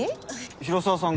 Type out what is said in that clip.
広沢さん